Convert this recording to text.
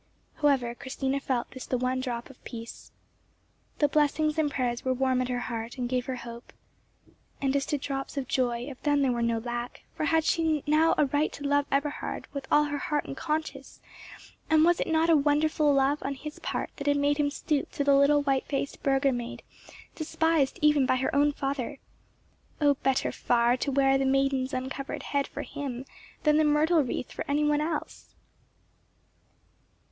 However, Christina felt this the one drop of peace. The blessings and prayers were warm at her heart, and gave her hope. And as to drops of joy, of them there was no lack, for had not she now a right to love Eberhard with all her heart and conscience, and was not it a wonderful love on his part that had made him stoop to the little white faced burgher maid, despised even by her own father? O better far to wear the maiden's uncovered head for him than the myrtle wreath for any one else!